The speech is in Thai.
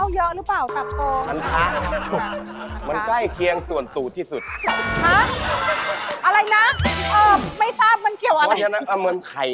วิเคราะห์ไปพี่พูดออกมาเลยพี่